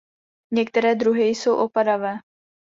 Některé druhy jsou opadavé.